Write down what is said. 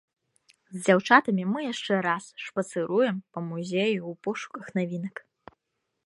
З дзяўчатамі мы яшчэ раз шпацыруем па музеі ў пошуках навінак.